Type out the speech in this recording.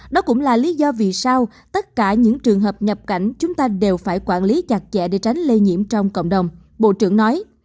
đó cũng là lý do vì sao tất cả những trường hợp nhập cảnh chúng ta đều phải quản lý chặt chẽ để tránh lây nhiễm trong cộng đồng bộ trưởng nói